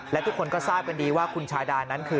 และทุกคนก็ทราบกันดีว่าคุณชาดานั้นคือ